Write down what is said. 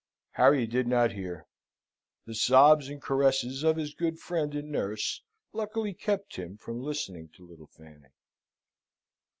Harry did not hear. The sobs and caresses of his good friend and nurse luckily kept him from listening to little Fanny.